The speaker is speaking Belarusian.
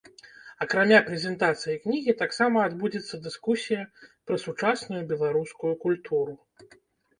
Акрамя прэзентацыі кнігі таксама адбудзецца дыскусія пра сучасную беларускую культуру.